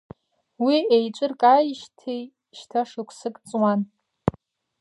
Уиеиҿыркааижьҭеишьҭашықәсыкҵуан.